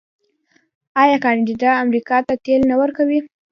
آیا کاناډا امریکا ته تیل نه ورکوي؟